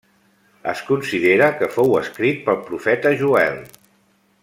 Es considera que fou escrit pel profeta Joel.